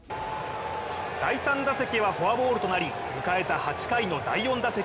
第３打席はフォアボールとなり迎えた８回の第４打席。